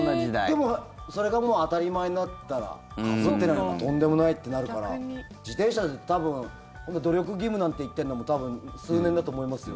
でも、それがもう当たり前になったらかぶってないなんてとんでもないってなるから自転車で多分努力義務なんて言ってるのも多分、数年だと思いますよ。